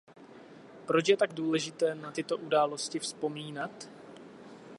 Proč je tak důležité na tyto události vzpomínat?